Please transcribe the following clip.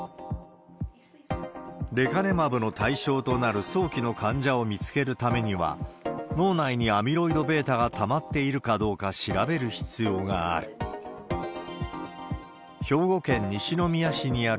レカネマブの対象となる早期の患者を見つけるためには、脳内にアミロイドβがたまっているかどうか調べる必要がある。